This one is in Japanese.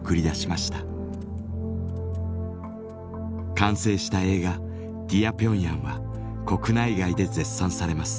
完成した映画「ディア・ピョンヤン」は国内外で絶賛されます。